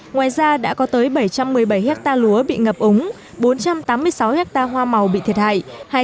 ngoài ra đã có tới bảy trăm một mươi bảy hectare lúa bị ngập úng bốn trăm tám mươi sáu hectare hoa màu bị thiệt hại